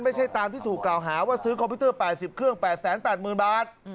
ไม่ใช่ตามที่ถูกกล่าวหาว่าซื้อคอมพิวเตอร์๘๐เครื่อง๘๘๐๐๐บาท